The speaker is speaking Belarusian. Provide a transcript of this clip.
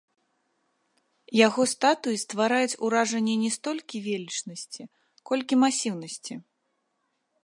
Яго статуі ствараюць уражанне не столькі велічнасці, колькі масіўнасці.